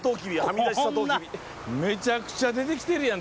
めちゃくちゃ出てきてるやん